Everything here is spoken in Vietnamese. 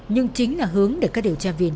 nhưng chính là hướng để các điều tra viên